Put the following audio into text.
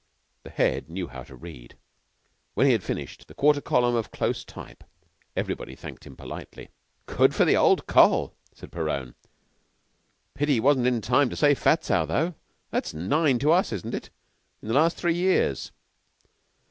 The Head knew how to read. When he had finished the quarter column of close type everybody thanked him politely. "Good for the old Coll.!" said Perowne. "Pity he wasn't in time to save Fat Sow, though. That's nine to us, isn't it, in the last three years?"